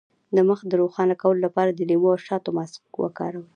د مخ د روښانه کولو لپاره د لیمو او شاتو ماسک وکاروئ